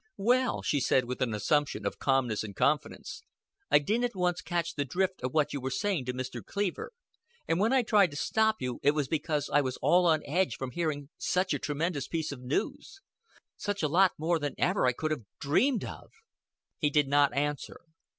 "Will," she said, with an assumption of calmness and confidence, "I didn't at once catch the drift of what you were saying to Mr. Cleaver, and when I tried to stop you it was because I was all on edge from hearing such a tremendous piece of news. Such a lot more than ever I could have dreamed of." He did not answer.